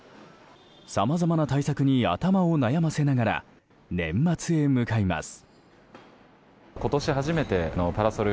さまざまな対策に頭を悩ませながら年末へ向かいます。